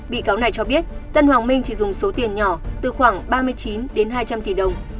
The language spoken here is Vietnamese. bị cáo này cho biết tân hoàng minh chỉ dùng số tiền nhỏ từ khoảng ba mươi chín đến hai trăm linh tỷ đồng